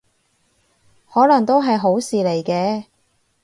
可能都係好事嚟嘅